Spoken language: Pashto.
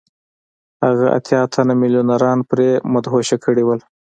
هغه اتیا تنه میلیونران پرې مدهوشه کړي وو